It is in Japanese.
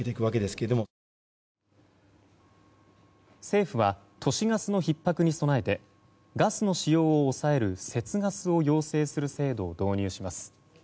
政府は都市ガスのひっ迫に備えてガスの使用を抑える節ガスを要請する制度を導入します。